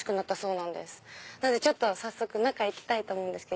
なので早速中行きたいと思うんですけど。